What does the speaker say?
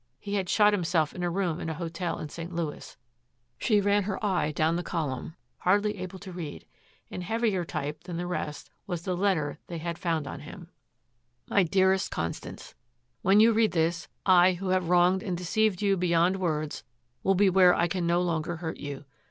He had shot himself in a room in a hotel in St. Louis. She ran her eye down the column, hardly able to read. In heavier type than the rest was the letter they had found on him: MY DEAREST CONSTANCE, When you read this I, who have wronged and deceived you beyond words, will be where I can no longer hurt you.